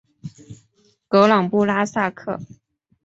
格朗布拉萨克。